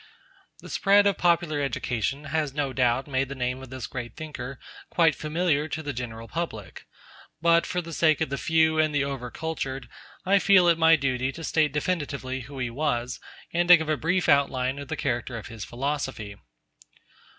The spread of popular education has no doubt made the name of this great thinker quite familiar to the general public, but, for the sake of the few and the over cultured, I feel it my duty to state definitely who he was, and to give a brief outline of the character of his philosophy.